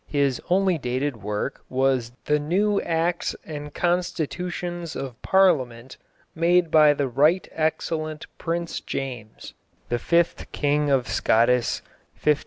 His only dated work was The Nevv Actis And Constitvtionis of Parliament Maid Be The Rycht Excellent Prince Iames The Fift Kyng of Scottis 1540.